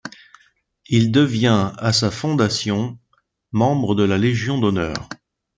Il devient à sa fondation membre de la Légion d'honneur.